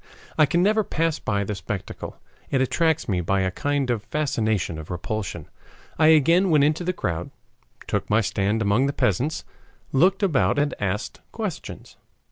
I can never pass by the spectacle. It attracts me by a kind of fascination of repulsion. I again went into the crowd, took my stand among the peasants, looked about and asked questions.